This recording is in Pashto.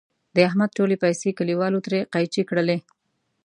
د احمد ټولې پیسې کلیوالو ترې قېنچي کړلې.